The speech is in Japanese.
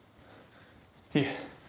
いえ。